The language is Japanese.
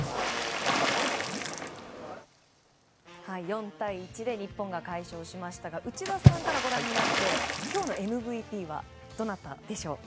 ４対１で日本が快勝しましたが内田さんからご覧になって今日のＭＶＰはどなたですか？